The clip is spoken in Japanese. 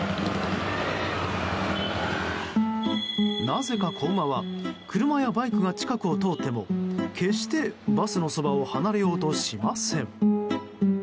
なぜか子馬は車やバイクが近くを通っても決してバスのそばを離れようとしません。